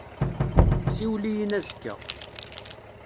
Siwel-iyi-n azekka.